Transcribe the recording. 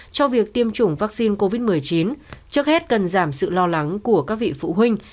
cho việc tiêm chủng vaccine covid một mươi chín trước hết cần giảm sự lo lắng của các vị phụ huynh